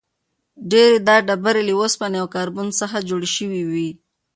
ډېری دا ډبرې له اوسپنې او کاربن څخه جوړې شوې وي.